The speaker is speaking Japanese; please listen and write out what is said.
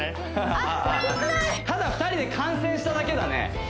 ただ２人で観戦しただけだね